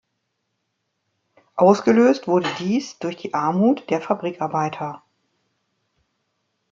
Ausgelöst wurde dies durch die Armut der Fabrikarbeiter.